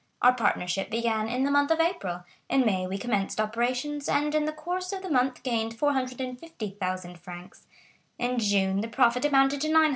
Our partnership began in the month of April. In May we commenced operations, and in the course of the month gained 450,000 francs. In June the profit amounted to 900,000.